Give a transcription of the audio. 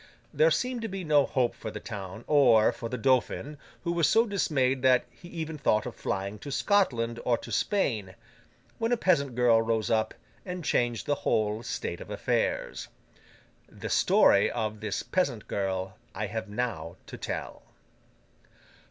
There seemed to be no hope for the town, or for the Dauphin, who was so dismayed that he even thought of flying to Scotland or to Spain—when a peasant girl rose up and changed the whole state of affairs. The story of this peasant girl I have now to tell.